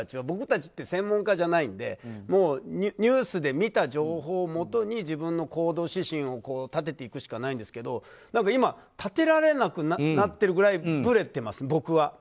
僕たちって専門家じゃないんでニュースで見た情報をもとに自分の行動指針を立てていくしかないんですけど今、立てられなくなってるぐらいぶれてます、僕は。